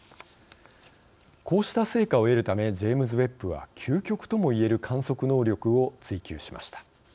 こうした成果を得るためジェームズ・ウェッブは究極ともいえる観測能力を追求しました。